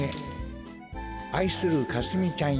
あいするかすみちゃんへ。